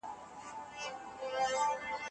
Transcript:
سم نیت شخړه نه جوړوي.